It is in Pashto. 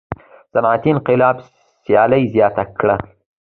صنعتي انقلاب سیالي زیاته کړه.